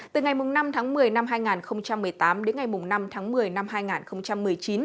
từ ngày năm tháng một mươi năm hai nghìn một mươi tám đến ngày năm tháng một mươi năm hai nghìn một mươi chín